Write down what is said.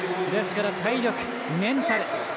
体力、メンタル